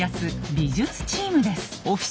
美術チームです。